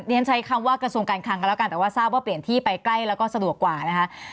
ฉันใช้คำว่ากระทรวงการคลังกันแล้วกันแต่ว่าทราบว่าเปลี่ยนที่ไปใกล้แล้วก็สะดวกกว่านะคะ